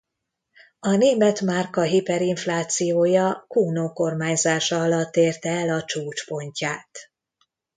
A német márka hiperinflációja Cuno kormányzása alatt érte el a csúcspontját.